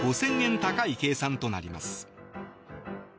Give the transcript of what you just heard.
高い計算となります。